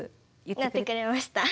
やってくれました。